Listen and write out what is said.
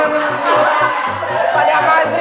bisa gak kasih bunga ke si sandara